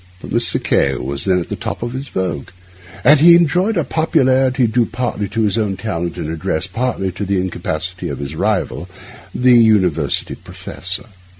But Mr. K— was then at the top of his vogue; he enjoyed a popularity due partly to his own talent and address, partly to the incapacity of his rival, the university professor.